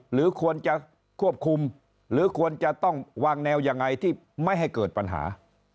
หรือควรจะควบคุมหรือควรจะต้องวางแนวยังไงที่ไม่ให้เกิดปัญหา